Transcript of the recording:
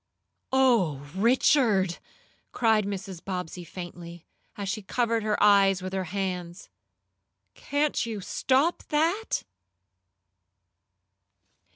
"Oh, Richard!" cried Mrs. Bobbsey faintly, as she covered her eyes with her hands. "Can't you stop that?"